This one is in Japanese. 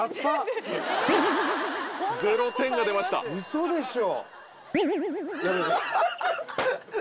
嘘でしょ！？